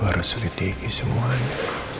gue harus sedikit lagi semuanya